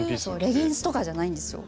レギンスとかじゃないんですよ。